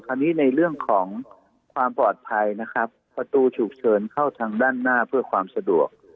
ในเรื่องของความปลอดภัยนะครับประตูฉุกเฉินเข้าทางด้านหน้าเพื่อความสะดวก